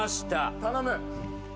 頼む。